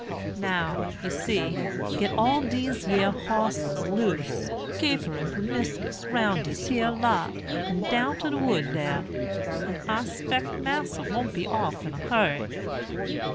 Now, you see, get all dese yere hosses loose, caperin' permiscus round dis yere lot, and down to de wood dar, and I 'spec Mas'r won't be off in a hurry.'